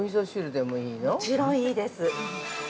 ◆もちろんいいです。